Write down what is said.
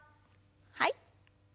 はい。